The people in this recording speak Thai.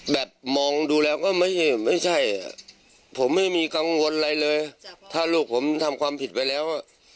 มองดูแล้วก็ไม่ใช่ผมไม่มีกังวลอะไรเลยถ้าลูกผมทำความผิดไปแล้ว